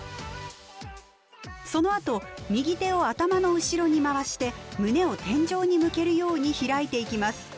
そのあと右手を頭の後ろに回して胸を天井に向けるように開いていきます。